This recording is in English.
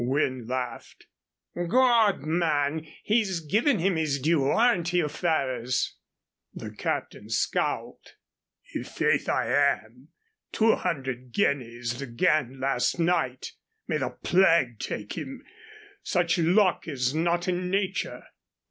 Wynne laughed. "Gawd, man! he's givin' him his due. Aren't you, Ferrers?" The captain scowled. "I' faith I am. Two hundred guineas again last night. May the plague take him! Such luck is not in nature."